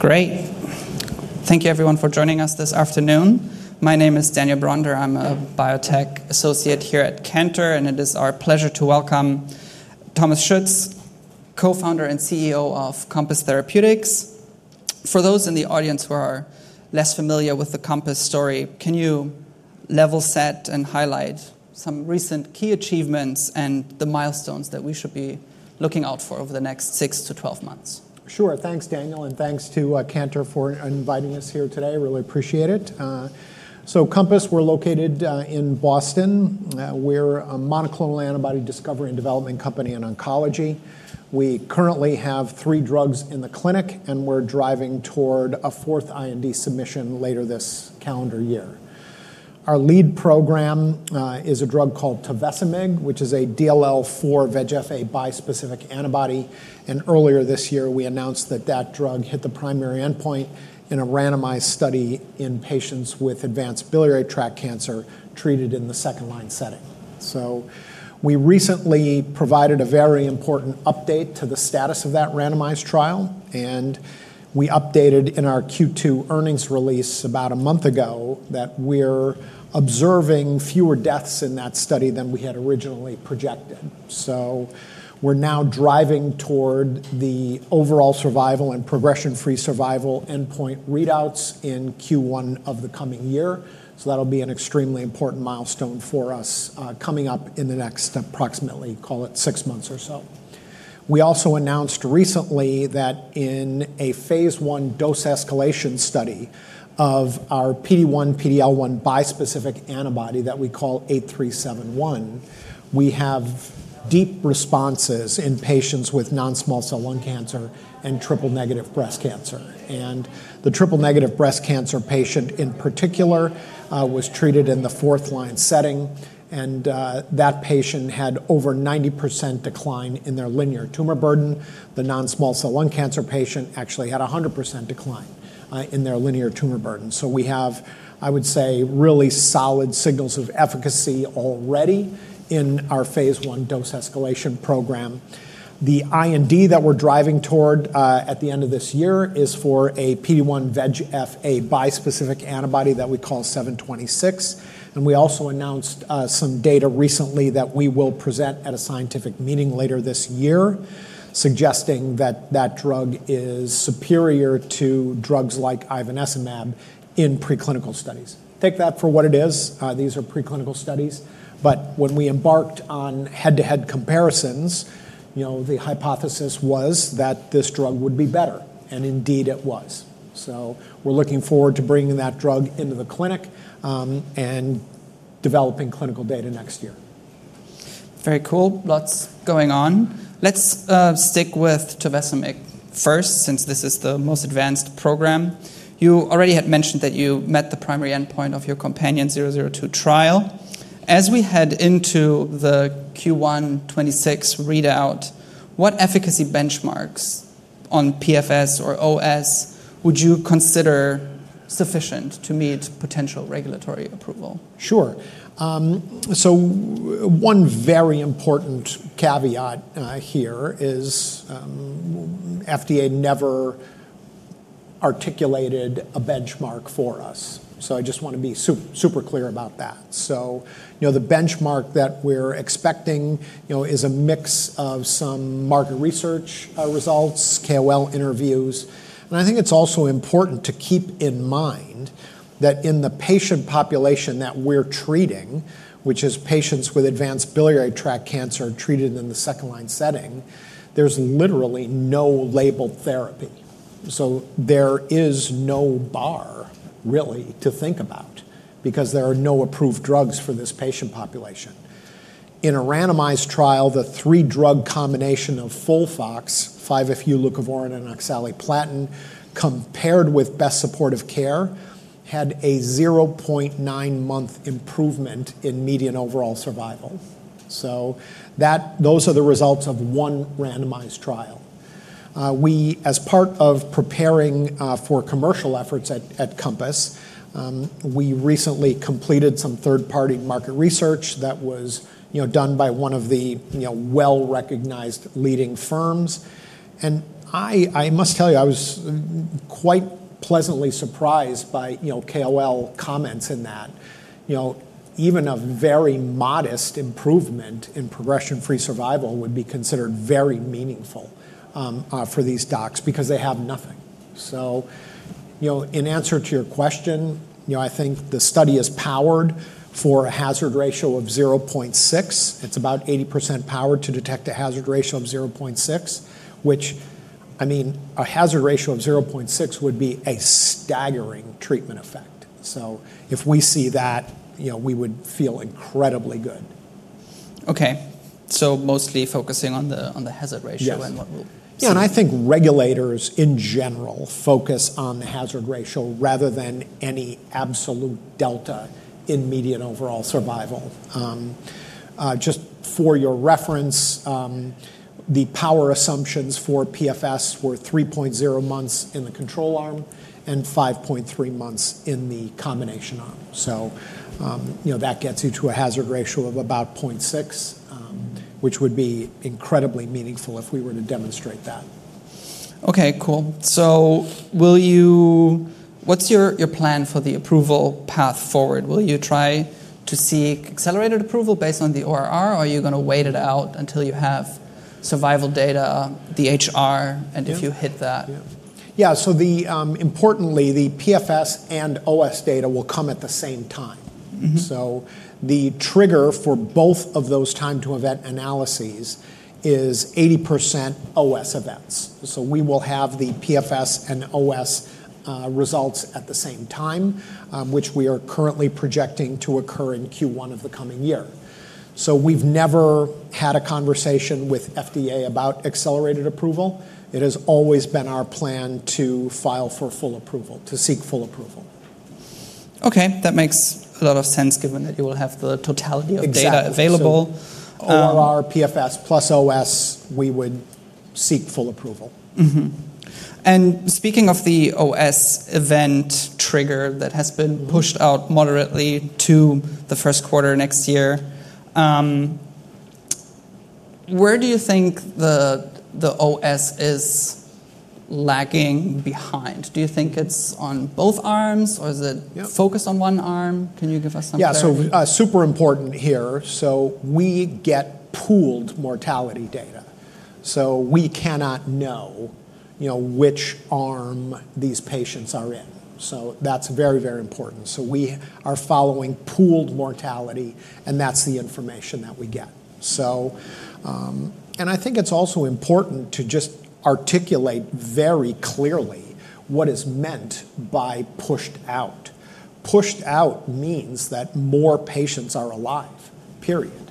Great. Thank you, everyone, for joining us this afternoon. My name is Daniel Bronder. I'm a biotech associate here at Cantor, and it is our pleasure to welcome Thomas Schuetz, Co-Founder and CEO of Compass Therapeutics. For those in the audience who are less familiar with the Compass story, can you level set and highlight some recent key achievements and the milestones that we should be looking out for over the next six to 12 months? Sure. Thanks, Daniel, and thanks to Cantor for inviting us here today. Really appreciate it. So, Compass, we're located in Boston. We're a monoclonal antibody discovery and development company in oncology. We currently have three drugs in the clinic, and we're driving toward a fourth IND submission later this calendar year. Our lead program is a drug called tovecimig, which is a DLL4xVEGF-A bispecific antibody. And earlier this year, we announced that that drug hit the primary endpoint in a randomized study in patients with advanced biliary tract cancer treated in the second-line setting. So, we recently provided a very important update to the status of that randomized trial, and we updated in our Q2 earnings release about a month ago that we're observing fewer deaths in that study than we had originally projected. We're now driving toward the overall survival and progression-free survival endpoint readouts in Q1 of the coming year. That'll be an extremely important milestone for us coming up in the next approximately, call it, six months or so. We also announced recently that in a Phase 1 dose escalation study of our PD-1 / PD-L1 bispecific antibody that we call CTX-8371, we have deep responses in patients with non-small cell lung cancer and triple-negative breast cancer. The triple-negative breast cancer patient, in particular, was treated in the fourth-line setting, and that patient had over 90% decline in their linear tumor burden. The non-small cell lung cancer patient actually had 100% decline in their linear tumor burden. We have, I would say, really solid signals of efficacy already in our phase one dose escalation program. The IND that we're driving toward at the end of this year is for a PD-1xVEGF-A bispecific antibody that we call CTX-10726, and we also announced some data recently that we will present at a scientific meeting later this year, suggesting that that drug is superior to drugs like ivonescimab in preclinical studies. Take that for what it is. These are preclinical studies, but when we embarked on head-to-head comparisons, you know, the hypothesis was that this drug would be better, and indeed it was, so we're looking forward to bringing that drug into the clinic and developing clinical data next year. Very cool. Lots going on. Let's stick with tovecimig first, since this is the most advanced program. You already had mentioned that you met the primary endpoint of your COMPANION-002 trial. As we head into the Q1 2026 readout, what efficacy benchmarks on PFS or OS would you consider sufficient to meet potential regulatory approval? Sure. So, one very important caveat here is FDA never articulated a benchmark for us. So, I just want to be super clear about that. So, you know, the benchmark that we're expecting, you know, is a mix of some market research results, KOL interviews. And I think it's also important to keep in mind that in the patient population that we're treating, which is patients with advanced biliary tract cancer treated in the second-line setting, there's literally no labeled therapy. So, there is no bar, really, to think about, because there are no approved drugs for this patient population. In a randomized trial, the three-drug combination of FOLFOX, 5-FU, leucovorin, and oxaliplatin, compared with best supportive care, had a 0.9-month improvement in median overall survival. So, those are the results of one randomized trial. We, as part of preparing for commercial efforts at Compass, recently completed some third-party market research that was, you know, done by one of the, you know, well-recognized leading firms, and I must tell you, I was quite pleasantly surprised by, you know, KOL comments in that, you know, even a very modest improvement in progression-free survival would be considered very meaningful for these docs, because they have nothing, so you know, in answer to your question, you know, I think the study is powered for a hazard ratio of 0.6. It's about 80% power to detect a hazard ratio of 0.6, which, I mean, a hazard ratio of 0.6 would be a staggering treatment effect, so if we see that, you know, we would feel incredibly good. Okay, so mostly focusing on the hazard ratio and what we'll see. Yeah, and I think regulators, in general, focus on the hazard ratio rather than any absolute delta in median overall survival. Just for your reference, the power assumptions for PFS were 3.0 months in the control arm and 5.3 months in the combination arm. So, you know, that gets you to a hazard ratio of about 0.6, which would be incredibly meaningful if we were to demonstrate that. Okay, cool. So, what's your plan for the approval path forward? Will you try to seek accelerated approval based on the ORR, or are you going to wait it out until you have survival data, the HR, and if you hit that? Yeah, yeah. So, importantly, the PFS and OS data will come at the same time. So, the trigger for both of those time-to-event analyses is 80% OS events. So, we will have the PFS and OS results at the same time, which we are currently projecting to occur in Q1 of the coming year. So, we've never had a conversation with FDA about accelerated approval. It has always been our plan to file for full approval, to seek full approval. Okay. That makes a lot of sense, given that you will have the totality of data available. Exactly. ORR, PFS, plus OS, we would seek full approval. Speaking of the OS event trigger that has been pushed out moderately to the first quarter next year, where do you think the OS is lagging behind? Do you think it's on both arms, or is it focused on one arm? Can you give us some clarity? Yeah, so super important here, so we get pooled mortality data, so we cannot know, you know, which arm these patients are in, so that's very, very important, so we are following pooled mortality, and that's the information that we get, so and I think it's also important to just articulate very clearly what is meant by pushed out. Pushed out means that more patients are alive, period.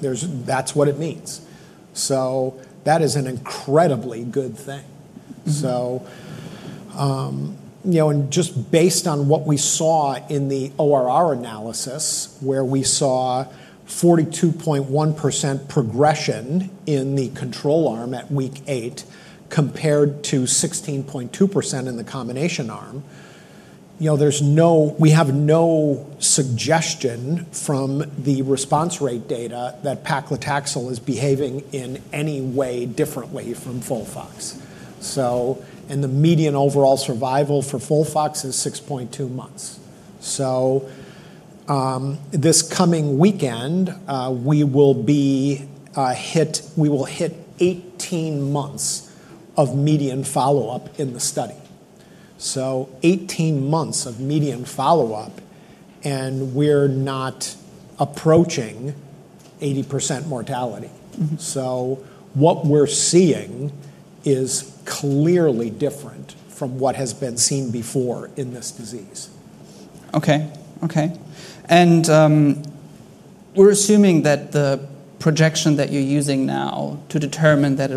That's what it means, so that is an incredibly good thing, so you know, and just based on what we saw in the ORR analysis, where we saw 42.1% progression in the control arm at week 8 compared to 16.2% in the combination arm, you know, there's no, we have no suggestion from the response rate data that paclitaxel is behaving in any way differently from FOLFOX, so and the median overall survival for FOLFOX is 6.2 months. This coming weekend, we will hit 18 months of median follow-up in the study. 18 months of median follow-up, and we're not approaching 80% mortality. What we're seeing is clearly different from what has been seen before in this disease. Okay, okay. And we're assuming that the projection that you're using now to determine that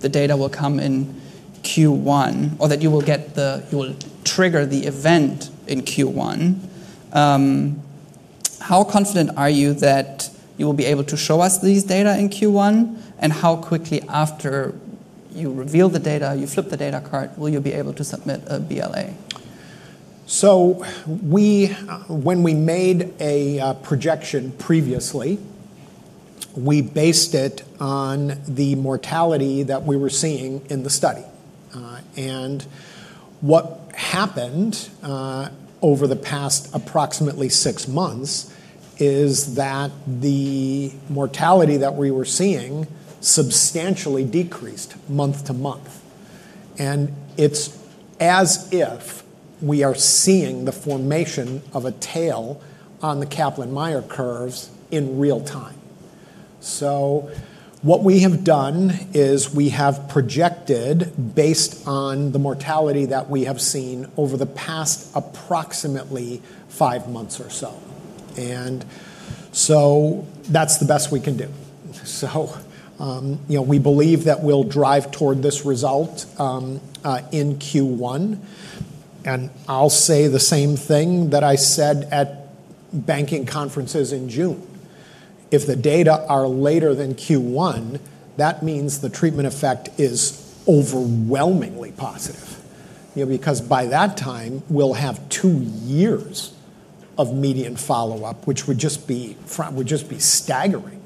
the data will come in Q1, or that it will trigger the event in Q1. How confident are you that you will be able to show us these data in Q1, and how quickly after you reveal the data, you flip the data card, will you be able to submit a BLA? So, when we made a projection previously, we based it on the mortality that we were seeing in the study. And what happened over the past approximately six months is that the mortality that we were seeing substantially decreased month to month. And it's as if we are seeing the formation of a tail on the Kaplan-Meier curves in real time. So, what we have done is we have projected based on the mortality that we have seen over the past approximately five months or so. And so, that's the best we can do. So, you know, we believe that we'll drive toward this result in Q1. And I'll say the same thing that I said at banking conferences in June. If the data are later than Q1, that means the treatment effect is overwhelmingly positive, you know, because by that time, we'll have two years of median follow-up, which would just be staggering.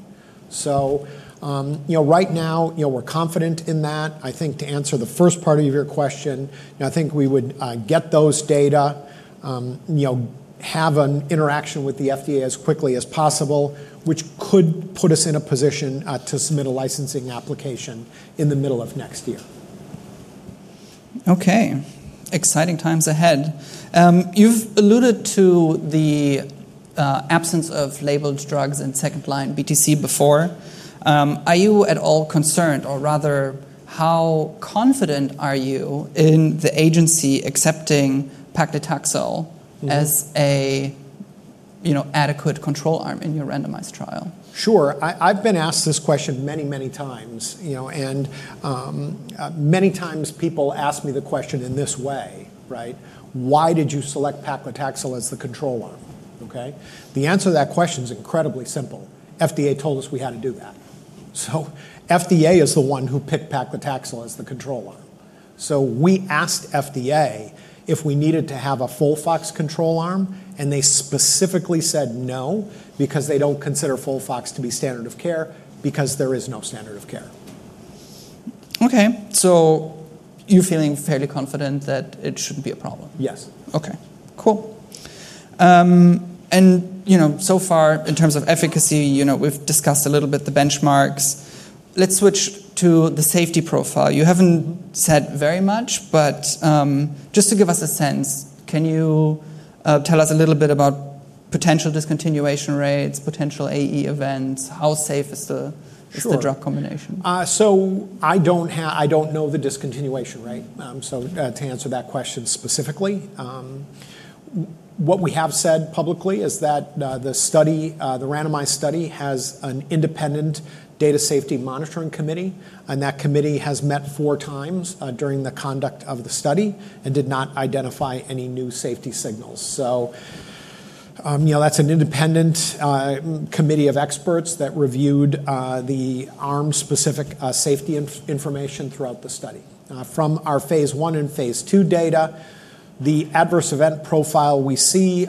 So, you know, right now, you know, we're confident in that. I think to answer the first part of your question, you know, I think we would get those data, you know, have an interaction with the FDA as quickly as possible, which could put us in a position to submit a licensing application in the middle of next year. Okay. Exciting times ahead. You've alluded to the absence of labeled drugs in second-line BTC before. Are you at all concerned, or rather, how confident are you in the agency accepting paclitaxel as a, you know, adequate control arm in your randomized trial? Sure. I've been asked this question many, many times, you know, and many times people ask me the question in this way, right? Why did you select paclitaxel as the control arm? Okay? The answer to that question is incredibly simple. FDA told us we had to do that. So, FDA is the one who picked paclitaxel as the control arm. So, we asked FDA if we needed to have a FOLFOX control arm, and they specifically said no, because they don't consider FOLFOX to be standard of care, because there is no standard of care. Okay. So, you're feeling fairly confident that it shouldn't be a problem? Yes. Okay. Cool. And, you know, so far, in terms of efficacy, you know, we've discussed a little bit the benchmarks. Let's switch to the safety profile. You haven't said very much, but just to give us a sense, can you tell us a little bit about potential discontinuation rates, potential AE events? How safe is the drug combination? Sure. So, I don't know the discontinuation rate. So, to answer that question specifically, what we have said publicly is that the study, the randomized study, has an independent data safety monitoring committee, and that committee has met four times during the conduct of the study and did not identify any new safety signals. So, you know, that's an independent committee of experts that reviewed the arm-specific safety information throughout the study. From our Phase 1 and Phase 2 data, the adverse event profile we see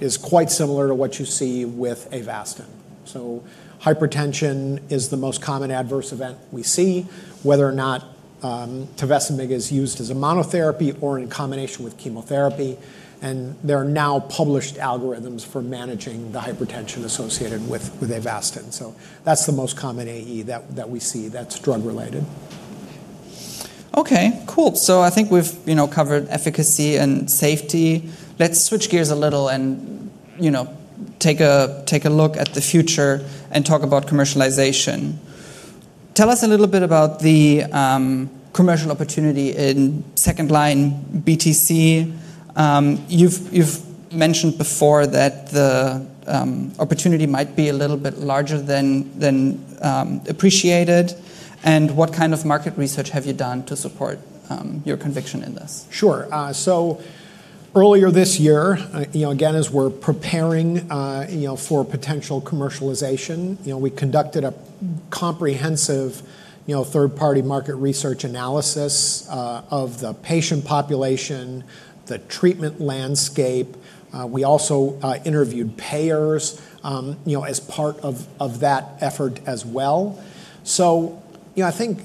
is quite similar to what you see with Avastin. So, hypertension is the most common adverse event we see, whether or not tovecimig is used as a monotherapy or in combination with chemotherapy. And there are now published algorithms for managing the hypertension associated with Avastin. So, that's the most common AE that we see that's drug-related. Okay. Cool. So, I think we've, you know, covered efficacy and safety. Let's switch gears a little and, you know, take a look at the future and talk about commercialization. Tell us a little bit about the commercial opportunity in second-line BTC. You've mentioned before that the opportunity might be a little bit larger than appreciated, and what kind of market research have you done to support your conviction in this? Sure. So, earlier this year, you know, again, as we're preparing, you know, for potential commercialization, you know, we conducted a comprehensive, you know, third-party market research analysis of the patient population, the treatment landscape. We also interviewed payers, you know, as part of that effort as well. So, you know, I think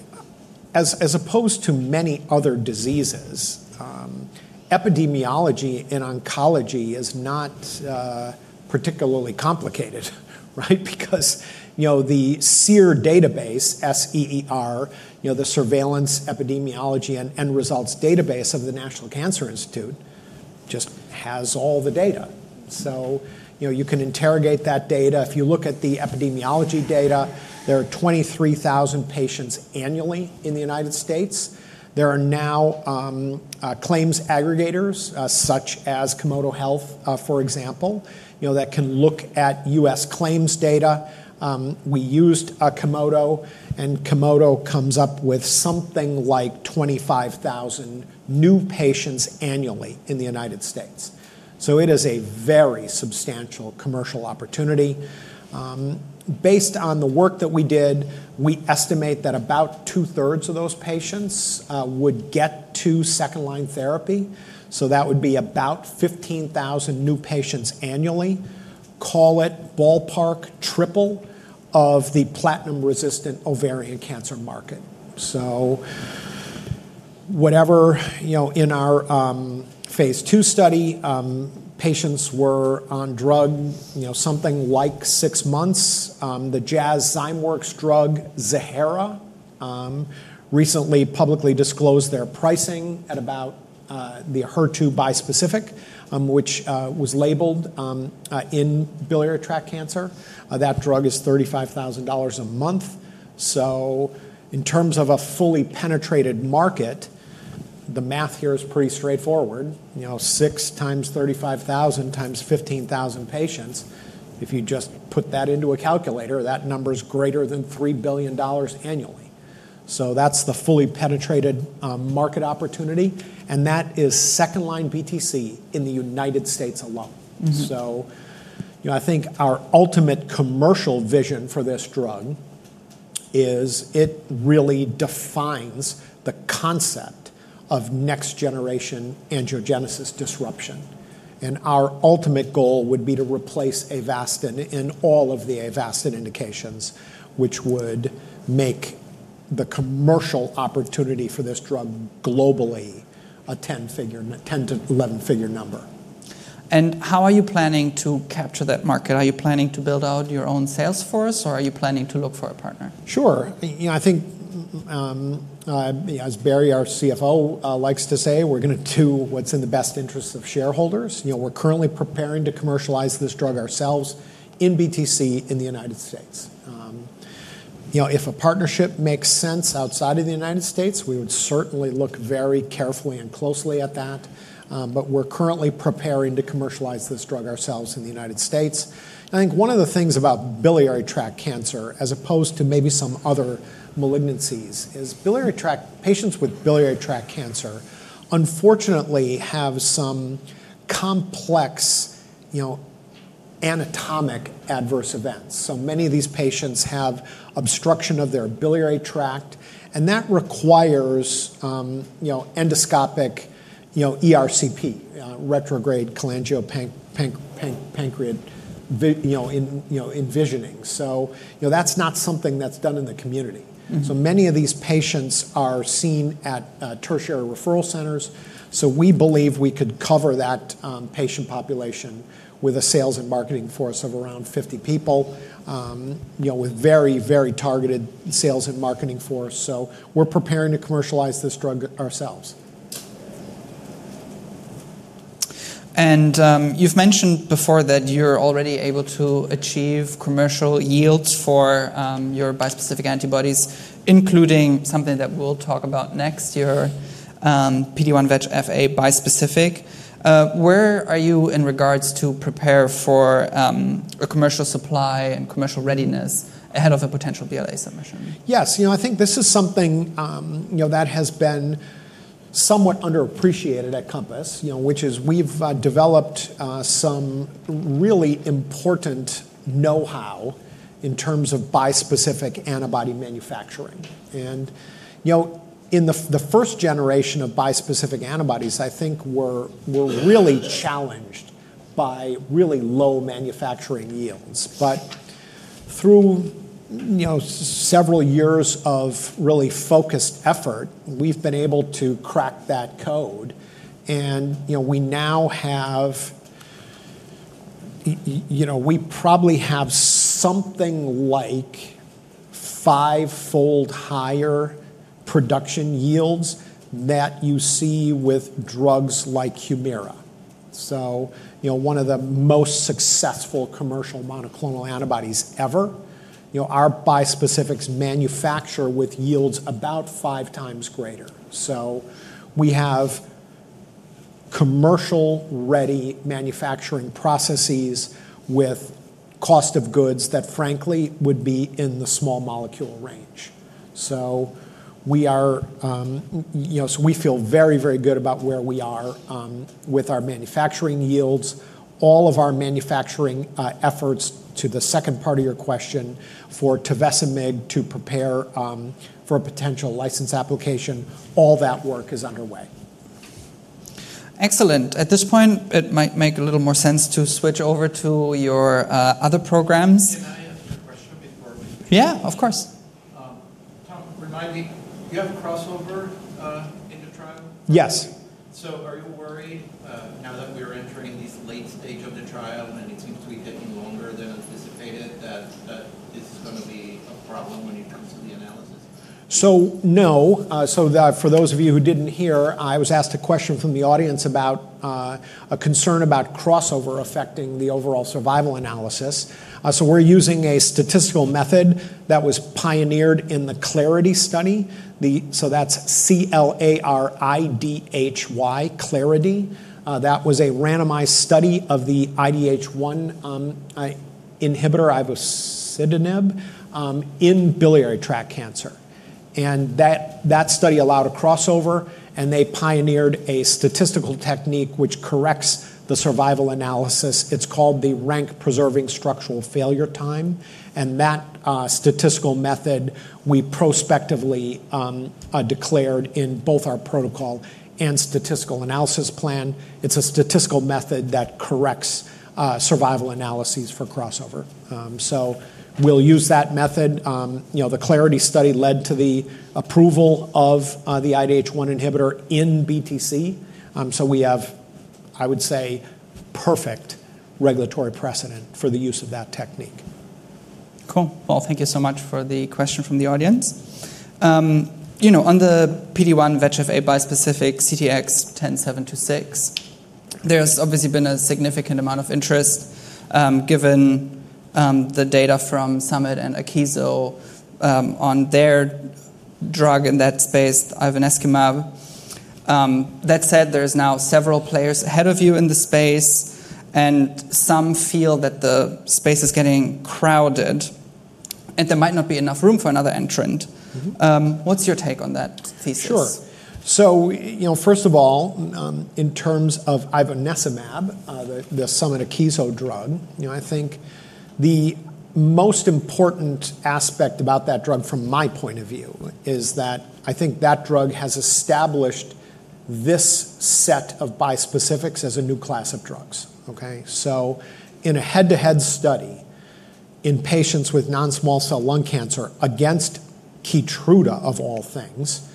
as opposed to many other diseases, epidemiology in oncology is not particularly complicated, right? Because, you know, the SEER database, S-E-E-R, you know, the Surveillance, Epidemiology, and End Results Database of the National Cancer Institute, just has all the data. So, you know, you can interrogate that data. If you look at the epidemiology data, there are 23,000 patients annually in the United States. There are now claims aggregators, such as Komodo Health, for example, you know, that can look at U.S. claims data. We used Komodo, and Komodo comes up with something like 25,000 new patients annually in the United States. So, it is a very substantial commercial opportunity. Based on the work that we did, we estimate that about two-thirds of those patients would get to second-line therapy. So, that would be about 15,000 new patients annually, call it ballpark triple of the platinum-resistant ovarian cancer market. So, whatever, you know, in our Phase 2 study, patients were on drug, you know, something like six months. The Jazz-Zymeworks drug, Ziihera, recently publicly disclosed their pricing at about the HER2 bispecific, which was labeled in biliary tract cancer. That drug is $35,000 a month. So, in terms of a fully penetrated market, the math here is pretty straightforward. You know, six times $35,000 times 15,000 patients, if you just put that into a calculator, that number is greater than $3 billion annually. That's the fully penetrated market opportunity, and that is second-line BTC in the United States alone. You know, I think our ultimate commercial vision for this drug is it really defines the concept of next-generation angiogenesis disruption, and our ultimate goal would be to replace Avastin in all of the Avastin indications, which would make the commercial opportunity for this drug globally a 10-figure, 10 to 11-figure number. How are you planning to capture that market? Are you planning to build out your own sales force, or are you planning to look for a partner? Sure. You know, I think, as Barry, our CFO, likes to say, we're going to do what's in the best interest of shareholders. You know, we're currently preparing to commercialize this drug ourselves in BTC in the United States. You know, if a partnership makes sense outside of the United States, we would certainly look very carefully and closely at that. But we're currently preparing to commercialize this drug ourselves in the United States. I think one of the things about biliary tract cancer, as opposed to maybe some other malignancies, is biliary tract patients with biliary tract cancer, unfortunately, have some complex, you know, anatomic adverse events. So, many of these patients have obstruction of their biliary tract, and that requires, you know, endoscopic, you know, ERCP, retrograde cholangiopancreatography envisioning. So, you know, that's not something that's done in the community. So, many of these patients are seen at tertiary referral centers. So, we believe we could cover that patient population with a sales and marketing force of around 50 people, you know, with very, very targeted sales and marketing force. So, we're preparing to commercialize this drug ourselves. You've mentioned before that you're already able to achieve commercial yields for your bispecific antibodies, including something that we'll talk about next year, PD-1xVEGF-A bispecific. Where are you in regards to prepare for a commercial supply and commercial readiness ahead of a potential BLA submission? Yes. You know, I think this is something, you know, that has been somewhat underappreciated at Compass, you know, which is we've developed some really important know-how in terms of bispecific antibody manufacturing. And, you know, in the first generation of bispecific antibodies, I think we're really challenged by really low manufacturing yields. But through, you know, several years of really focused effort, we've been able to crack that code. And, you know, we now have, you know, we probably have something like five-fold higher production yields that you see with drugs like Humira. So, you know, one of the most successful commercial monoclonal antibodies ever, you know, our bispecifics manufacture with yields about five times greater. So, we have commercial-ready manufacturing processes with cost of goods that, frankly, would be in the small molecule range. We are, you know, so we feel very, very good about where we are with our manufacturing yields. All of our manufacturing efforts to the second part of your question for tovecimig to prepare for a potential license application, all that work is underway. Excellent. At this point, it might make a little more sense to switch over to your other programs. Can I ask a question before we? Yeah, of course. Tom, remind me, you have crossover in the trial? Yes. So, are you worried now that we're entering this late stage of the trial and it seems to be taking longer than anticipated that this is going to be a problem when it comes to the analysis? No. For those of you who didn't hear, I was asked a question from the audience about a concern about crossover affecting the overall survival analysis. We're using a statistical method that was pioneered in the ClarIDHy study. That's C-L-A-R-I-D-H-Y, ClarIDHy. That was a randomized study of the IDH1 inhibitor, ivosidenib, in biliary tract cancer. That study allowed a crossover, and they pioneered a statistical technique which corrects the survival analysis. It's called the Rank Preserving Structural Failure Time. That statistical method, we prospectively declared in both our protocol and statistical analysis plan. It's a statistical method that corrects survival analyses for crossover. We'll use that method. You know, the ClarIDHy study led to the approval of the IDH1 inhibitor in BTC. We have, I would say, perfect regulatory precedent for the use of that technique. Cool. Well, thank you so much for the question from the audience. You know, on the PD-1xVEGF-A bispecific CTX-10726, there's obviously been a significant amount of interest given the data from Summit and Akeso on their drug in that space, ivonescimab. That said, there's now several players ahead of you in the space, and some feel that the space is getting crowded, and there might not be enough room for another entrant. What's your take on that thesis? Sure, so you know, first of all, in terms of ivonescimab, the Summit-Akeso drug, you know, I think the most important aspect about that drug, from my point of view, is that I think that drug has established this set of bispecifics as a new class of drugs, okay? So, in a head-to-head study in patients with non-small cell lung cancer against Keytruda, of all things,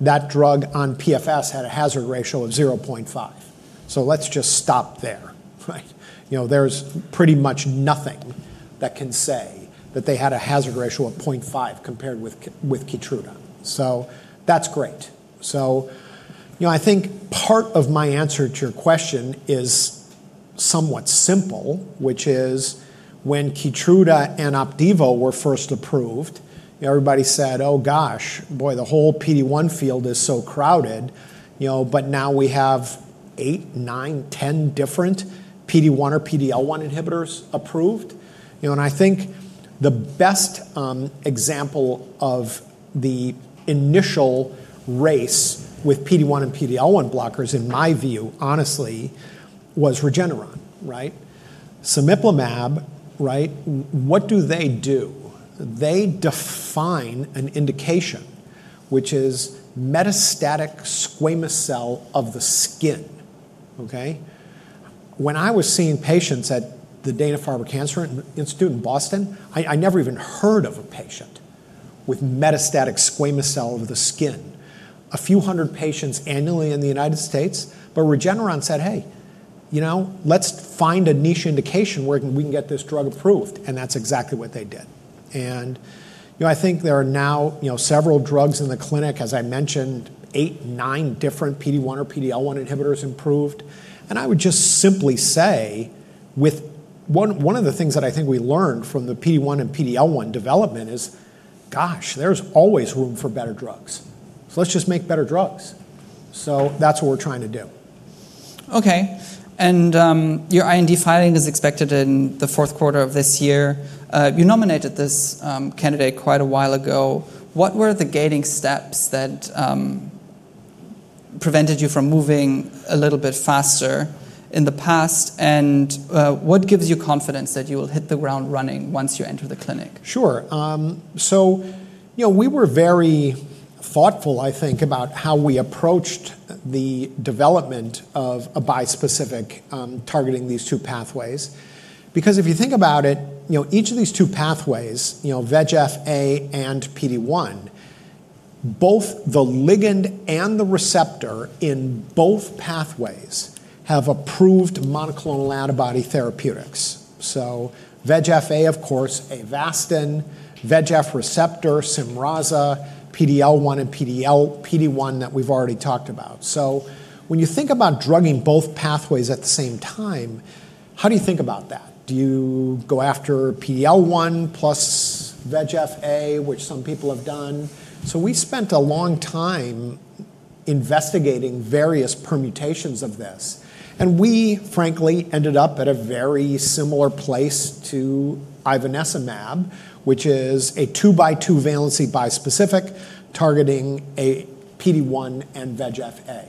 that drug on PFS had a hazard ratio of 0.5. So, let's just stop there, right? You know, there's pretty much nothing that can say that they had a hazard ratio of 0.5 compared with Keytruda. So, that's great. So, you know, I think part of my answer to your question is somewhat simple, which is when Keytruda and Opdivo were first approved, everybody said, "Oh, gosh, boy, the whole PD-1 field is so crowded," you know, but now we have eight, nine, 10 different PD-1 or PD-L1 inhibitors approved. You know, and I think the best example of the initial race with PD-1 and PD-L1 blockers, in my view, honestly, was Regeneron, right? Cemiplimab, right? What do they do? They define an indication, which is metastatic squamous cell of the skin, okay? When I was seeing patients at the Dana-Farber Cancer Institute in Boston, I never even heard of a patient with metastatic squamous cell of the skin. A few hundred patients annually in the United States, but Regeneron said, "Hey, you know, let's find a niche indication where we can get this drug approved," and that's exactly what they did. You know, I think there are now, you know, several drugs in the clinic, as I mentioned, eight, nine different PD-1 or PD-L1 inhibitors approved, and I would just simply say, with one of the things that I think we learned from the PD-1 and PD-L1 development is, gosh, there's always room for better drugs. So, let's just make better drugs. That's what we're trying to do. Okay. And your IND filing is expected in the fourth quarter of this year. You nominated this candidate quite a while ago. What were the gating steps that prevented you from moving a little bit faster in the past, and what gives you confidence that you will hit the ground running once you enter the clinic? Sure. So, you know, we were very thoughtful, I think, about how we approached the development of a bispecific targeting these two pathways. Because if you think about it, you know, each of these two pathways, you know, VEGF-A and PD-1, both the ligand and the receptor in both pathways have approved monoclonal antibody therapeutics. So, VEGF-A, of course, Avastin, VEGF receptor, Cyramza, PD-L1 and PD-1 that we've already talked about. So, when you think about drugging both pathways at the same time, how do you think about that? Do you go after PD-L1 plus VEGF-A, which some people have done? So, we spent a long time investigating various permutations of this, and we, frankly, ended up at a very similar place to ivonescimab, which is a two-by-two valency bispecific targeting a PD-1 and VEGF-A.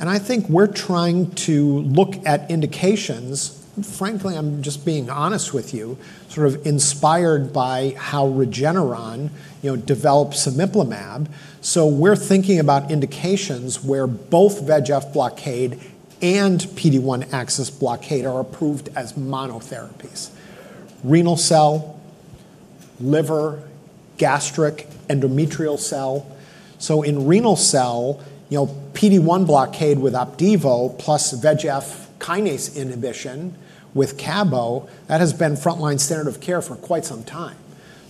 And I think we're trying to look at indications, frankly, I'm just being honest with you, sort of inspired by how Regeneron, you know, developed cemiplimab. So, we're thinking about indications where both VEGF blockade and PD-1 access blockade are approved as monotherapies: renal cell, liver, gastric, endometrial cell. So, in renal cell, you know, PD-1 blockade with Opdivo plus VEGF kinase inhibition with Cabo, that has been frontline standard of care for quite some time.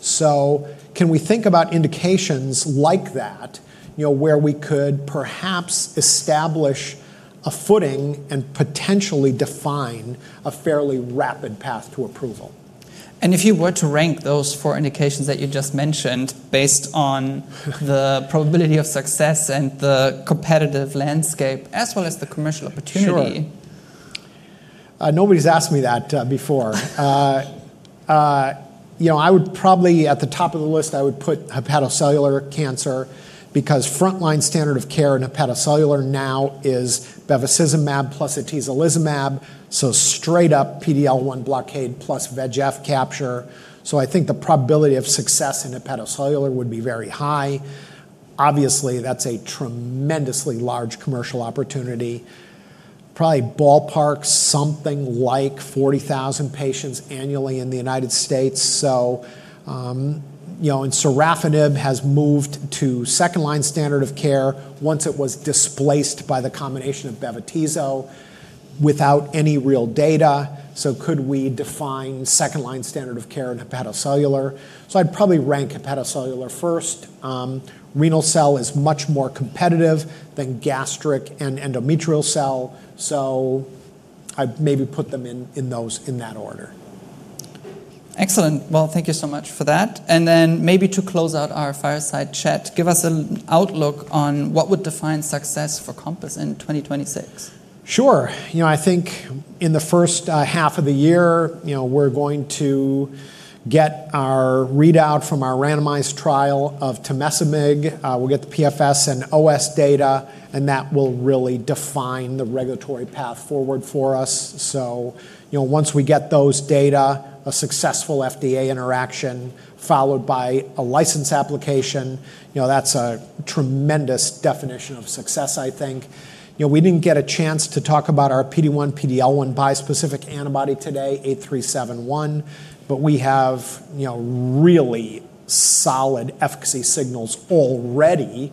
So, can we think about indications like that, you know, where we could perhaps establish a footing and potentially define a fairly rapid path to approval? If you were to rank those four indications that you just mentioned based on the probability of success and the competitive landscape, as well as the commercial opportunity? Sure. Nobody's asked me that before. You know, I would probably, at the top of the list, I would put hepatocellular cancer because frontline standard of care in hepatocellular now is bevacizumab plus atezolizumab, so straight-up PD-L1 blockade plus VEGF capture. So, I think the probability of success in hepatocellular would be very high. Obviously, that's a tremendously large commercial opportunity, probably ballpark something like 40,000 patients annually in the United States. So, you know, and sorafenib has moved to second-line standard of care once it was displaced by the combination of bev-atezo without any real data. So, could we define second-line standard of care in hepatocellular? So, I'd probably rank hepatocellular first. Renal cell is much more competitive than gastric and endometrial cell. So, I'd maybe put them in that order. Excellent. Well, thank you so much for that. And then maybe to close out our fireside chat, give us an outlook on what would define success for Compass in 2026. Sure. You know, I think in the first half of the year, you know, we're going to get our readout from our randomized trial of tovecimig. We'll get the PFS and OS data, and that will really define the regulatory path forward for us. So, you know, once we get those data, a successful FDA interaction followed by a license application, you know, that's a tremendous definition of success, I think. You know, we didn't get a chance to talk about our PD-1 x PD-L1 bispecific antibody today, CTX-8371, but we have, you know, really solid efficacy signals already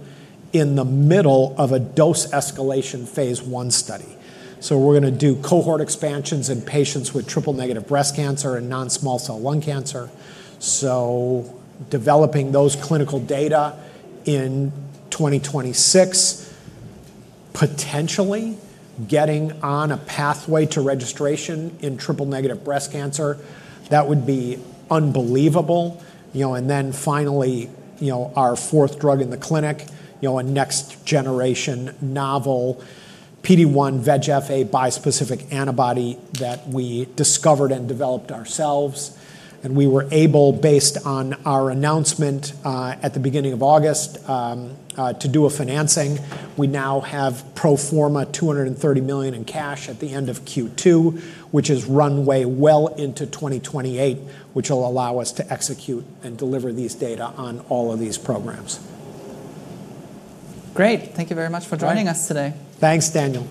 in the middle of a dose escalation Phase 1 study. So, we're going to do cohort expansions in patients with triple-negative breast cancer and non-small cell lung cancer. So, developing those clinical data in 2026, potentially getting on a pathway to registration in triple-negative breast cancer, that would be unbelievable. You know, and then finally, you know, our fourth drug in the clinic, you know, a next-generation novel PD-1xVEGF-A bispecific antibody that we discovered and developed ourselves. And we were able, based on our announcement at the beginning of August, to do a financing. We now have pro forma $230 million in cash at the end of Q2, which has run way well into 2028, which will allow us to execute and deliver these data on all of these programs. Great. Thank you very much for joining us today. Thanks, Daniel.